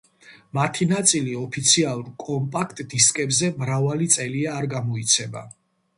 მათი ნაწილი ოფიციალურ კომპაქტ-დისკებზე მრავალი წელია არ გამოიცემა.